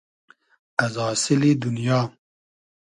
از آسیلی دونیا